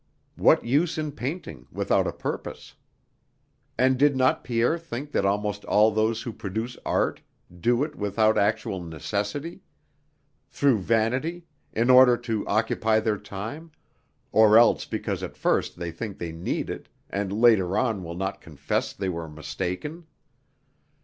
What use in painting without a purpose? And did not Pierre think that almost all those who produce art do it without actual necessity, through vanity, in order to occupy their time, or else because at first they think they need it and later on will not confess they were mistaken?